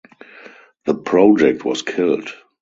The project was killed.